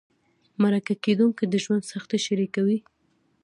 مرکه کېدونکي د ژوند سختۍ شریکوي.